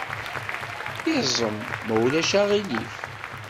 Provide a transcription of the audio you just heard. Iẓem, ma ulac aɣilif.